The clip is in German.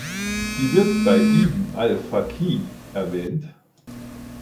Sie wird bei Ibn al-Faqih erwähnt.